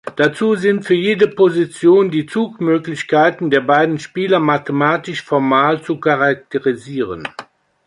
Dazu sind für jede Position die Zugmöglichkeiten der beiden Spieler mathematisch formal zu charakterisieren.